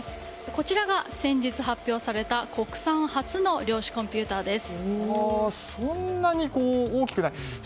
こちらが先日発表された国産初の量子コンピューターです。